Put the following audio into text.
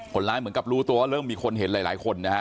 คนร้ายเหมือนกับรู้ตัวเริ่มมีคนเห็นหลายคนนะฮะ